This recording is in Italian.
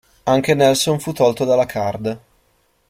Anche Nelson fu tolto dalla card.